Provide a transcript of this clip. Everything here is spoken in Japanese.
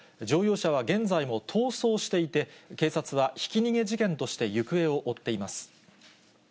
乗用車は現在も逃走していて、警察はひき逃げ事件として行方を追っています。